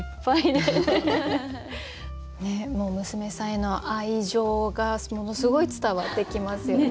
もう娘さんへの愛情がものすごい伝わってきますよね。